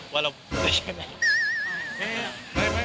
ไม่เราไม่ได้มาขุยอะไรกันไปเลย